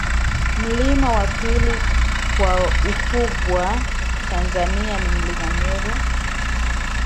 Mlima wa pili kwa ukubwa Tanzania ni Mlima Meru